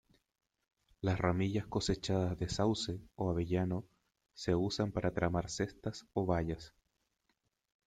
Las ramillas cosechadas de sauce o avellano se usan para tramar cestas o vallas.